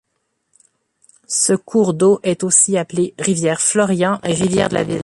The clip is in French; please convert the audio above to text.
Ce cours d'eau est aussi désigné Rivière Florian et Rivière de la Ville.